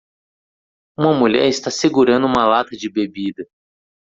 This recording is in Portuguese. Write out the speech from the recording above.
Uma mulher está segurando uma lata de bebida.